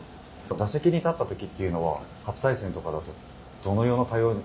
打席に立ったときっていうのは初対戦とかだと、どのような対応を？